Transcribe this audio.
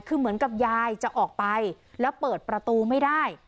คือเหมือนกับยายจะออกไปแล้วเปิดประตูไม่ได้